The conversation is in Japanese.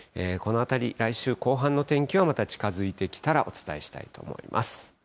このあたり、来週後半の天気はまた近づいてきたらお伝えしたいと思います。